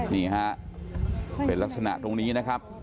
นี่ฮะเป็นลักษณะตรงนี้นะครับ